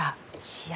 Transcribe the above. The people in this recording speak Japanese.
試合